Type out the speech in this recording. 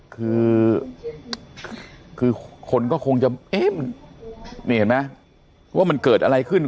คือคือคนก็คงจะเอ๊ะมันนี่เห็นไหมว่ามันเกิดอะไรขึ้น